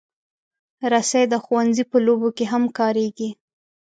رسۍ د ښوونځي په لوبو کې هم کارېږي.